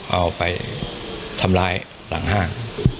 เอาไปทำร้ายหลังห้าง